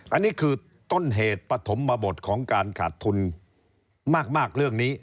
อันนี้คือต้นเหตุปฐมบทของการขาดทุนมากเรื่องนี้